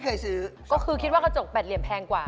พี่บอกว่ากระจกแปดเหลี่ยมแพงกว่า